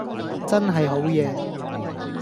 真係好嘢￼￼